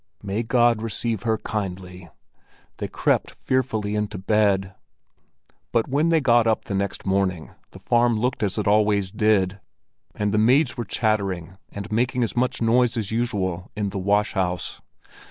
"May God receive her kindly!" They crept fearfully into bed. But when they got up the next morning, the farm looked as it always did, and the maids were chattering and making as much noise as usual in the wash house.